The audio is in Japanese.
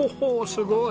すごい！